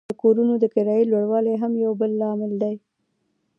د کورونو د کرایې لوړوالی هم یو بل لامل دی